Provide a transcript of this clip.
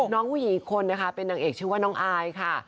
น้องผู้หญิงอีกคนนะคะเป็นนางเอกชื่อว่าน้องอายค่ะ